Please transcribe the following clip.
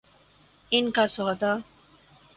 ان کا سودا؟